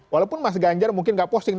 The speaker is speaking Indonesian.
walaupun mas ganjar mungkin gak posting